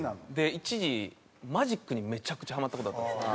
一時マジックにめちゃくちゃハマった事あったんですよ。